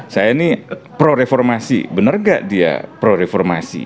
saya ini pro reformasi benar nggak dia pro reformasi